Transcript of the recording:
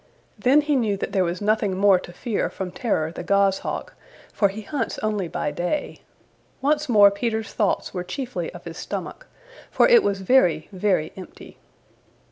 Then he knew that there was nothing more to fear from Terror the Goshawk, for he hunts only by day. Once more Peter's thoughts were chiefly of his stomach, for it was very, very empty.